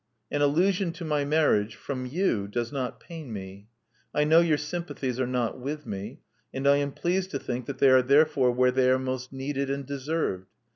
An allusion to my marriage — from you — does not pain me. I know your sympathies are not with me; and I am pleased to think that they are therefore where they are most needed and deserved.